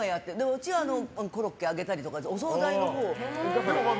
うちはコロッケを揚げたりお総菜のほうを。